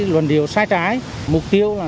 luận điều sai trái mục tiêu là